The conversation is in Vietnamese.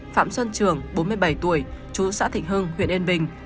phạm xuân trường bốn mươi bảy tuổi chú xã thịnh hưng huyện yên bình